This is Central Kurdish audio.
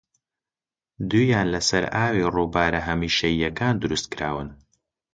دوویان لەسەر ئاوی رووبارە هەمیشەییەکان دروستکراون